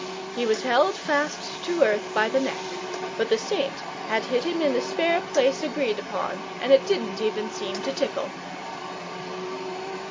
He was held fast to earth by the neck, but the Saint had hit him in the spare place agreed upon, and it didn't even seem to tickle.